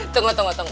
tunggu tunggu tunggu